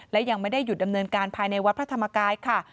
และยังไม่ได้หยุดดำเนินการภายในวัดพระธรรมกายค่ะ